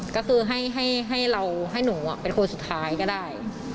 ก็คือให้หนูเป็นคนสุดท้ายก็ได้